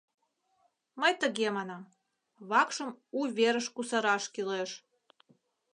Мый тыге манам: вакшым у верыш кусараш кӱлеш.